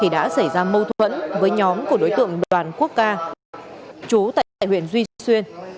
đã xảy ra mâu thuẫn với nhóm của đối tượng đoàn quốc ca chú tại huyện duy xuyên